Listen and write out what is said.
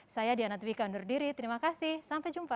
saya diana twika undur diri terima kasih sampai jumpa